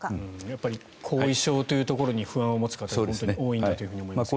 やっぱり後遺症というところに不安を持つ方が多いんだと思います。